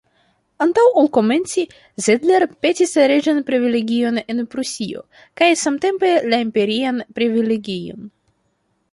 Antaŭ ol komenci, Zedler petis reĝan privilegion en Prusio, kaj samtempe la imperian privilegion.